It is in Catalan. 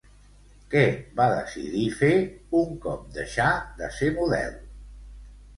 Què va decidir fer un cop deixà de ser model?